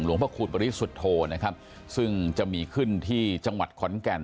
พระคูณปริสุทธโธนะครับซึ่งจะมีขึ้นที่จังหวัดขอนแก่น